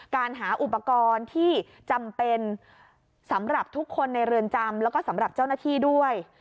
การหาอุปกรณ์ที่จำเป็นสำหรับทุกคนในเรือนจำแล้วก็สำหรับเจ้าหน้าที่ด้วย